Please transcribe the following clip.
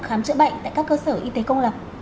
khám chữa bệnh tại các cơ sở y tế công lập